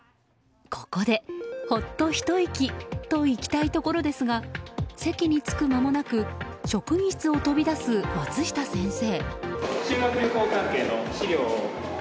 ここで、ほっとひと息といきたいところですが席に着く間もなく職員室を飛び出す松下先生。